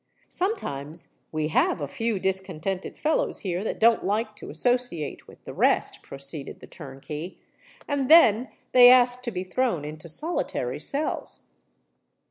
"Sometimes we have a few discontented fellows here that don't like to associate with the rest," proceeded the turnkey; "and then they ask to be thrown into solitary cells."